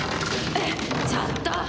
ちょっと！